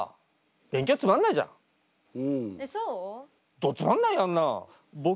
どつまんないよあんなん。